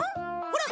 ほら！